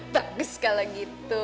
bagus kalau gitu